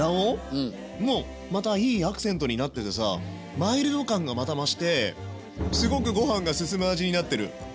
うん。もまたいいアクセントになっててさマイルド感がまた増してすごくごはんがすすむ味になってる。